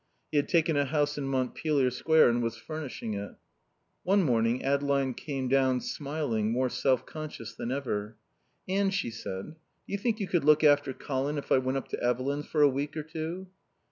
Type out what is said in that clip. He had taken a house in Montpelier Square and was furnishing it. One morning Adeline came down smiling, more self conscious than ever. "Anne," she said, "do you think you could look after Colin if I went up to Evelyn's for a week or two?"